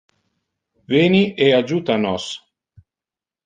Veni e adjuta nos.